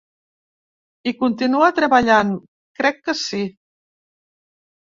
Hi continua treballant, crec que sí.